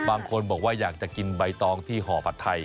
บางคนบอกว่าอยากจะกินใบตองที่ห่อผัดไทย